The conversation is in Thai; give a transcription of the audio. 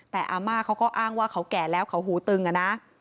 แต่อาม่าเขาก็อ้างว่าเขาแก่แล้วเขาหูตึงอะนะ